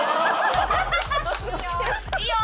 いいよ！